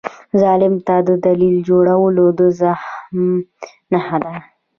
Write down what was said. ظالم ته دلیل جوړول د زخم نښه ده.